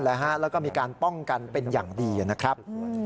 แล้วก็มีการป้องกันเป็นอย่างดีนะครับ